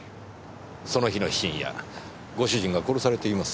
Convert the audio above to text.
その日の深夜ご主人が殺されています。